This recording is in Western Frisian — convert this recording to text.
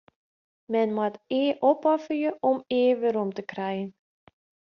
Men moat eat opofferje om eat werom te krijen.